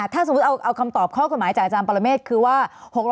ถ้าสมมุติเอาคำตอบข้อกฎหมายจากอาจารย์ปรเมฆคือว่า